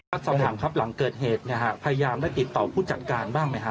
เครยะบอดเจ้าถามครับหลังเกิดเหตุนะฮะพยายามได้ติดต่อผู้จัดการบ้างไหมฮะ